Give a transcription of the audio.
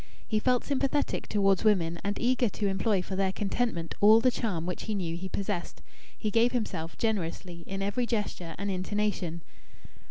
He felt sympathetic towards women, and eager to employ for their contentment all the charm which he knew he possessed. He gave himself, generously, in every gesture and intonation.